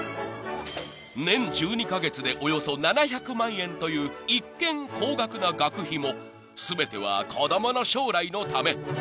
［年１２カ月でおよそ７００万円という一見高額な学費も全ては子供の将来のため］